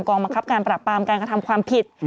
บังคับการปรับปรามการกระทำความผิด